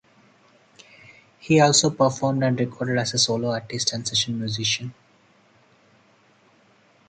He also performed and recorded as a solo artist and session musician.